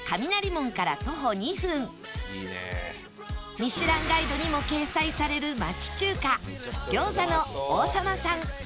『ミシュランガイド』にも掲載される町中華餃子の王さまさん